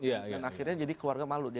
dan akhirnya jadi keluarga malu